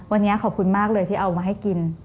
วันนี้ขอบคุณมากเลยที่เอามาให้กิน